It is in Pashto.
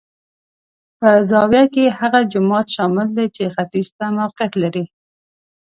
په زاویه کې هغه جومات شامل دی چې ختیځ ته موقعیت لري.